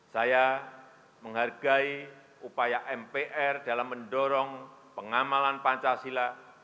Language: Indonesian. saya menghargai upaya mpr dalam mendorong pengamalan pancasila